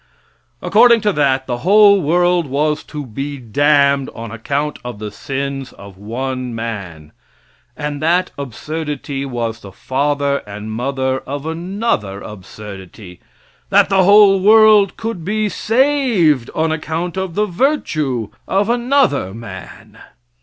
According to that, the whole world was to be damned on account of the sins of one man; and that absurdity was the father and mother of another absurdity that the whole world could be saved on account of the virtue of another man.